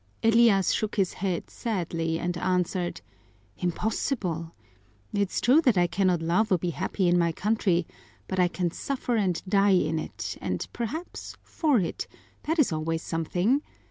Elias shook his head sadly and answered: "Impossible! It's true that I cannot love or be happy in my country, but I can suffer and die in it, and perhaps for it that is always something.